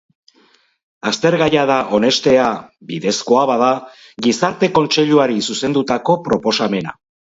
Aztergaia da onestea, bidezkoa bada, Gizarte Kontseiluari zuzendutako proposamena.